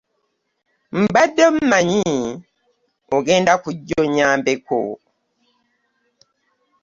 Mbade manyi ogenda kujja onyambeko.